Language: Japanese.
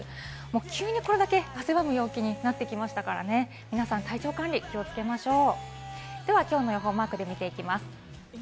急にこれだけ汗ばむ陽気になってきましたからね、皆さん、体調管理、気をつけましょう。